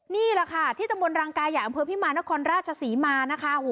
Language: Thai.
นี่แหละค่ะที่ตะมนตรังกายใหญ่อำเภอพิมารนครราชศรีมานะคะ